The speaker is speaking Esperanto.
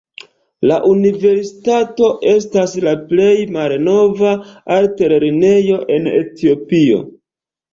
La universitato estas la plej malnova altlernejo en Etiopio.